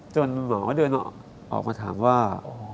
หมอก็เดินออกมาถามว่า